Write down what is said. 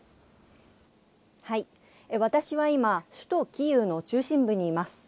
私は今、首都キーウの中心部にいます。